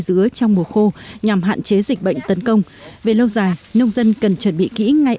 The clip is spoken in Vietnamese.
dứa trong mùa khô nhằm hạn chế dịch bệnh tấn công về lâu dài nông dân cần chuẩn bị kỹ ngay